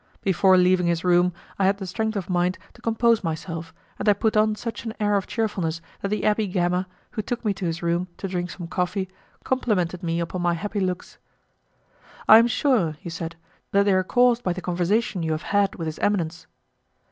Before leaving his room, I had the strength of mind to compose myself, and I put on such an air of cheerfulness that the Abbé Gama, who took me to his room to drink some coffee, complimented me upon my happy looks. "I am sure," he said, "that they are caused by the conversation you have had with his eminence."